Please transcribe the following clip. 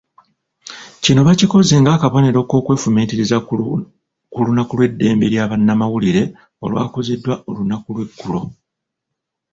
Kino bakikoze ng'akabonero k'okwefumiitiriza ku lunaku lw'eddembe lya bannamawulire olwakuziddwa olunaku lw'eggulo.